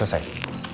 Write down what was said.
terima kasih pak